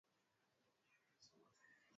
Baada ya kifo cha Suleimani ulitokea mfarakano